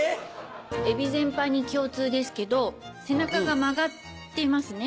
エビ全般に共通ですけど背中が曲がってますね。